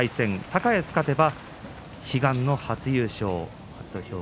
高安が勝てば悲願の初優勝。